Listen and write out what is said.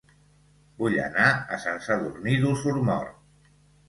Vull anar a Sant Sadurní d'Osormort